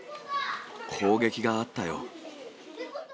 攻撃があったよ。